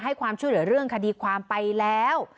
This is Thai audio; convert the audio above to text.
ความช่วยเหลือเรื่องคดีความไปแล้ว